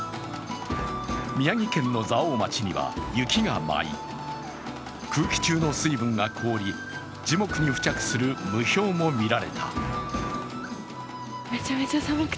宮城県の蔵王町には雪が舞い空気中の水分が凍り、樹木に付着する霧氷も見られた。